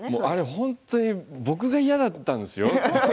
本当に僕が嫌だったんですよ。